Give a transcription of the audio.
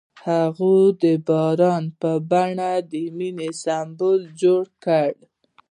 هغه د باران په بڼه د مینې سمبول جوړ کړ.